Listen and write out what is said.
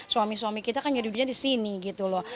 suami suami kita kan jadinya di sini gitu loh